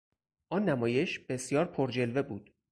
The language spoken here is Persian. آن نمایش بسیار پرجلوه بود.